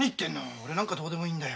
俺なんかどうでもいいんだよ。